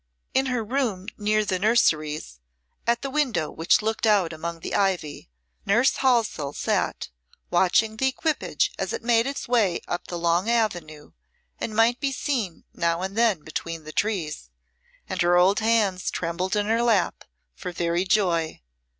In her room near the nurseries, at the window which looked out among the ivy, Nurse Halsell sat, watching the equipage as it made its way up the long avenue, and might be seen now and then between the trees, and her old hands trembled in her lap, for very joy.